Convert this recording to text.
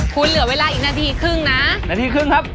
คุณเหลือเวลาอีกนาทีครึ่งนะนาทีครึ่งครับ